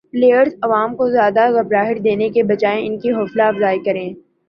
piles عوام کو زیادہ گھبراہٹ دینے کے بجاے ان کی حوصلہ افزائی کریں